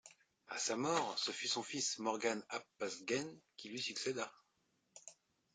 À sa mort, ce fut son fils Morgan ap Pasgen qui lui succéda.